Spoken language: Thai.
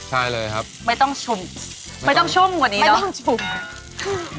ใช่เลยครับไม่ต้องชุ่มไม่ต้องชุ่มไม่ต้องชุ่ม